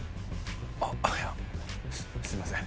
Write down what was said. あっいやすすいません。